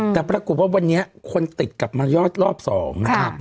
แต่ปรากฏว่าวันนี้ควรติดกลับมายอดรอบ๒ค่ะ